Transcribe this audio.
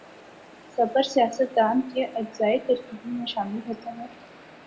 صبر سیاست دان کے اجزائے ترکیبی میں شامل ہوتا ہے۔